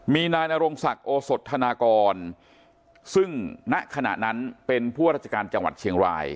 มีนายนรงศักดิ์โอสดธนากรซึ่งณขณะนั้นเป็นผู้ราชการจังหวัดเชียงราย